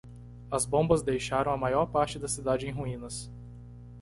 As bombas deixaram a maior parte da cidade em ruínas.